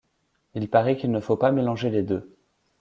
Il parait qu'il ne faut pas mélanger les deux.